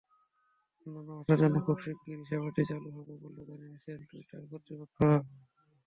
অন্যান্য ভাষার জন্য খুব শিগগির সেবাটি চালু হবে বলেও জানিয়েছে টুইটার কর্তৃপক্ষ।